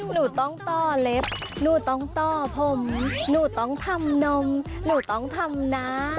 หนูต้องต่อเล็บหนูต้องต่อผมหนูต้องทำนมหนูต้องทำนะ